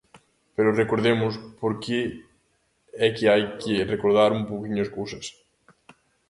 Pero recordemos, porque é que hai que recordar un pouquiño as cousas.